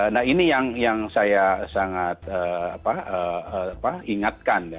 nah ini yang saya sangat ingatkan